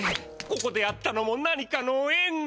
ここで会ったのも何かのえん。